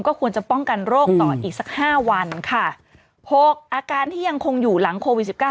ควรจะป้องกันโรคต่ออีกสักห้าวันค่ะหกอาการที่ยังคงอยู่หลังโควิดสิบเก้า